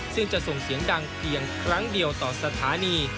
ซึ่งจะส่งเสียงดังเพียงครั้งเดียวต่อสถานี